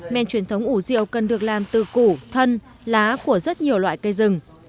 men truyền thống ủ rượu cần được làm từ củ thân lá của rất nhiều loại cây rừng